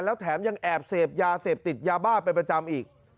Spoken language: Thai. แล้วแถมยังแอบเสพยาเสพติดยาบ้าเป็นประจำอีก